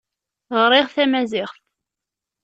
Ɣriɣ tamaziɣt.